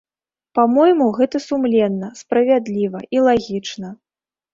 Па-мойму, гэта сумленна, справядліва і лагічна.